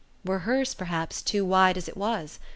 Were hers, perhaps, too wide as it was?